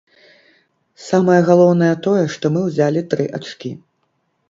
Самае галоўнае тое, што мы ўзялі тры ачкі.